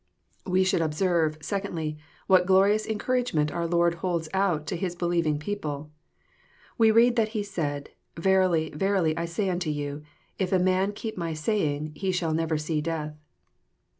We should observe, secondly, what glorious encourage* ment our Lord holds ovi to His believing people. We read that He said, " Verily, verily, I say unto you, if a man keep My saying, he shall never see death."